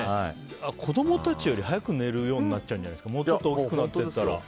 子供たちより早く寝るようになるんじゃないですかもう少し大きくなったら。